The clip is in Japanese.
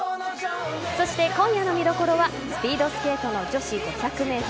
そして今夜の見どころはスピードスケートの女子５００ｍ。